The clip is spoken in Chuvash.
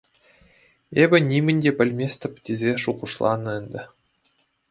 Эпӗ нимӗн те пӗлместӗп тесе шухӑшланӑ ӗнтӗ.